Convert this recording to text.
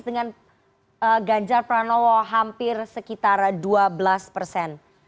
dengan ganjar pranowo hampir sekitar dua belas persen